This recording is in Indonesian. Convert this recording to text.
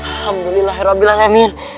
alhamdulillah herobilan amin